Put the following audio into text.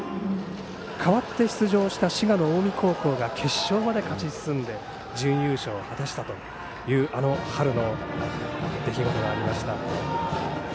代わって出場した滋賀の近江高校が決勝まで勝ち進んで準優勝を果たしたという春の出来事がありました。